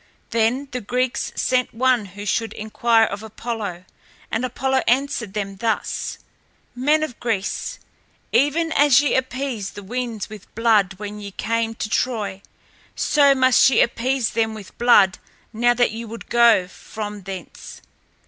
Then the Greeks sent one who should inquire of Apollo; and Apollo answered them thus: 'Men of Greece, even as ye appeased the winds with blood when ye came to Troy, so must ye appease them with blood now that ye would go from thence.'